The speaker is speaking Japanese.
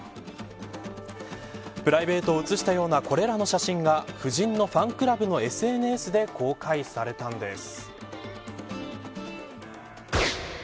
プライベートを写したようなこれらの写真が夫人のファンクラブのＳＮＳで公開されたんです。